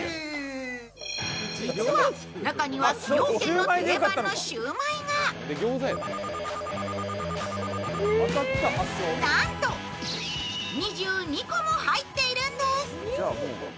実は、中には崎陽軒の定番のシウマイがなんと２２個も入っているんです。